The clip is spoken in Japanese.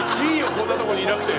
こんなとこにいなくて。